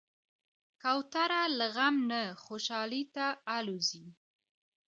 کوتره له غم نه خوشحالي ته الوزي.